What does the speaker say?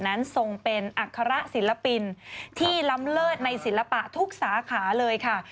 ทรงเป็นอัคระศิลปินที่ล้ำเลิศในศิลปะทุกสาขาเลยค่ะ